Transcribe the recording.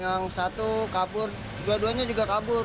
yang satu kabur dua duanya juga kabur